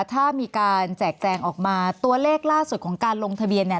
ถ้ามีการแจกแจงออกมาตัวเลขล่าสุดของการลงทะเบียนเนี่ย